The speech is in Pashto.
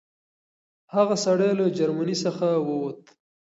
هغه سړی له جرمني څخه ووت.